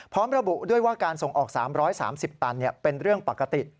พร้อมระบุด้วยว่าการส่งออก๓๓๐ตันเป็นเรื่องปกติ